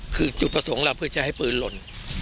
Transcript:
คือจุดประสงค์เราเพื่อจะให้ปืนหล่น